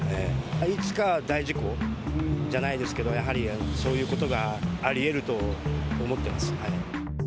いつか大事故じゃないですけど、やはりそういうことがありえると思っています。